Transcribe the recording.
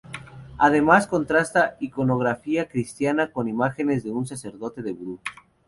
Además contrasta iconografía cristiana con imágenes de un sacerdote de vudú.